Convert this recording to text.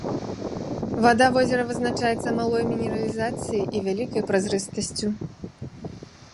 Вада возера вызначаецца малой мінералізацыяй і вялікай празрыстасцю.